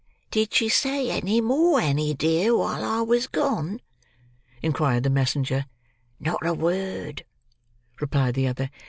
"Did she say any more, Anny dear, while I was gone?" inquired the messenger. "Not a word," replied the other.